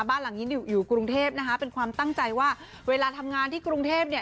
บ้านหลังนี้อยู่กรุงเทพนะคะเป็นความตั้งใจว่าเวลาทำงานที่กรุงเทพเนี่ย